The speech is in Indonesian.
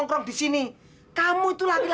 ardi masih gimana bu